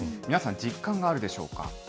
皆さん、実感があるでしょうか。